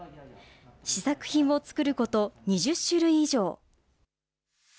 試作品を作ること２０種類以上。